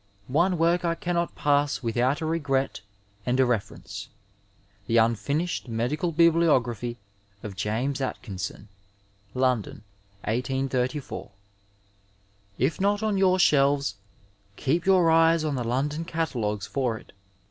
One work I cannot pass without a regret and a reference— the unfinished medical bibliography of James Atkinson, London, 1834. If not on your shelves, keep your eyes on the London catalogues for it.